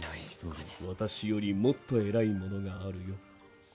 私よりもっと偉いものがあるよ。